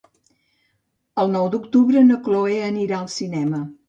El nou d'octubre na Cloè anirà al cinema.